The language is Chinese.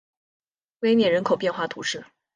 威涅人口变化图示